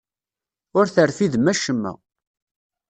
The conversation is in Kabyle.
Ur terfidem acemma.